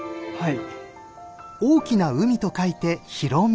はい。